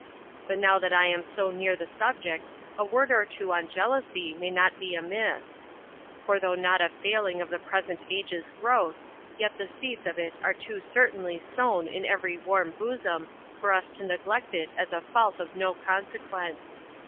But now that I am so near the subject, a word or two on jealousy may not be amiss; for though not a failing of the present age's growth, yet the seeds of it are too certainly sown in every warm bosom, for us to neglect it as a fault of no consequence.